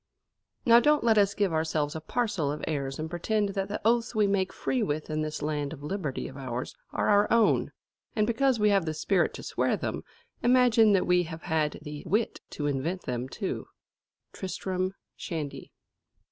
"Now don't let us give ourselves a parcel of airs and pretend that the oaths we make free with in this land of liberty of ours are our own; and because we have the spirit to swear them, imagine that we have had the wit to invent them too." _Tristram Shandy.